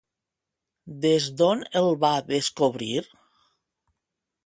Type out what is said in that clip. Des d'on el va descobrir?